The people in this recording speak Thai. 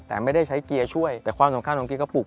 แต่ไม่ได้ใช้เกียร์ช่วยแต่ความสำคัญของเกียร์กระปุก